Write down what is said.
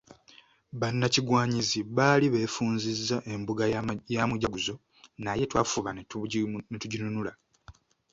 Bannakigwanyizi baali beefunzizza embuga ya Mujaguzo naye twafuba ne tuginunula.